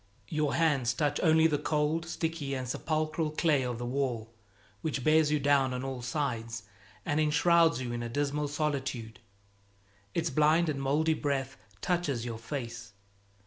Your hands touch only the cold, sticky and sepulchral clay of the wall, which bears you down on all sides and enshrouds you in a dismal solitude; its blind and moldy breath touches your face.